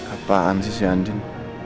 apaan sih si andin